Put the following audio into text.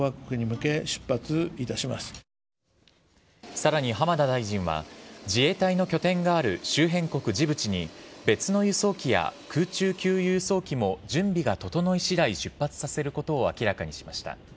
さらに、浜田大臣は自衛隊の拠点がある周辺国・ジブチに別の輸送機や空中給油輸送機も準備が整い次第出発させることを明らかにしました。